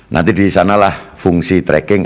nanti di sanalah fungsi tracking